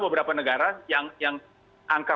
beberapa negara yang angka